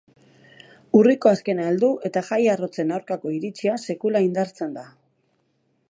Urriko azkena heldu eta jai arrotzen aurkako iritzia sekula indartzen da.